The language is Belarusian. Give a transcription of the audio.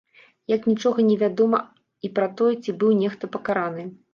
Як нічога не вядома і пра тое, ці быў нехта пакараны.